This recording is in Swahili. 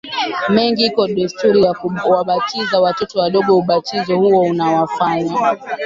mengi iko desturi ya kuwabatiza watoto wadogo Ubatizo huo unawafanya